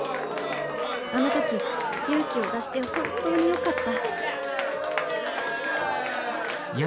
あの時勇気を出して本当によかった